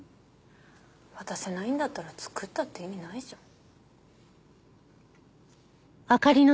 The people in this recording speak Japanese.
渡せないんだったら作ったって意味ないじゃん。